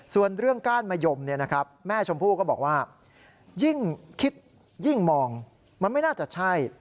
ส่วนเรื่องก้านมะยมแม่ชมพู่ก็บอกว่ายิ่งคิดยิ่งมองมันไม่น่าจะใช่